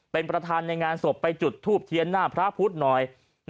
เป็นประธานในงานศพไปจุดทูบเทียนหน้าพระพุทธหน่อย